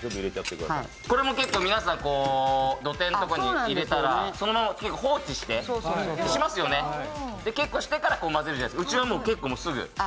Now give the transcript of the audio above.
これも結構、皆さん土手のところに入れたら放置して結構してから混ぜるじゃないですか、うちはすぐ。